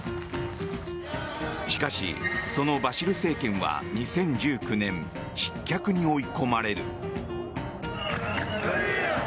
しかし、そのバシル政権は２０１９年失脚に追い込まれる。